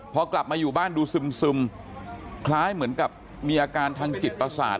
พอกลับมาอยู่บ้านดูซึมคล้ายเหมือนกับมีอาการทางจิตประสาท